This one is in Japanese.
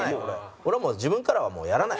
俺はもう自分からはやらない。